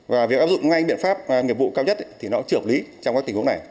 và việc áp dụng ngay biện pháp nghiệp vụ cao nhất thì nó trưởng hợp lý trong các tình huống này